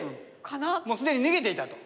もうすでに脱げていたと。